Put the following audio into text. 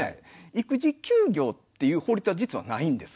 育児休業っていう法律は実はないんです。